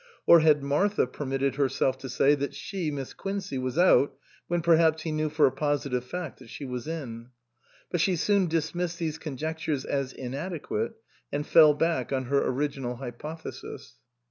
Or had Martha permitted herself to say that she, Miss Quincey, was out when perhaps he knew for a positive fact that she was in ? But she soon dismissed these conjectures as inadequate and fell back on her original hypothesis.